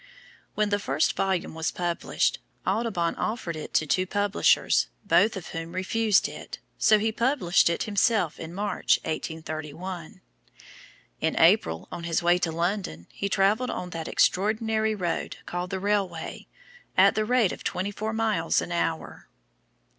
When the first volume was finished, Audubon offered it to two publishers, both of whom refused it, so he published it himself in March, 1831. In April on his way to London he travelled "on that Extraordinary road called the railway, at the rate of twenty four miles an hour."